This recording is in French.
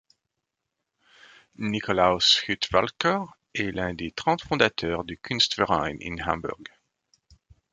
Nicolaus Hudtwalcker est l'un des trente fondateurs du Kunstverein in Hamburg.